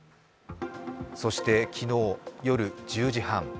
そして昨日夜１０時半。